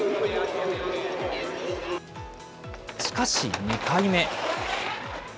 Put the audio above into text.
しかし、２回目。